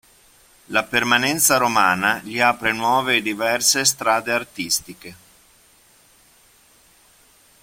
La permanenza romana gli apre nuove e diverse strade artistiche.